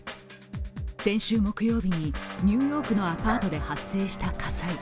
先週木曜日にニューヨークのアパートで発生した火災。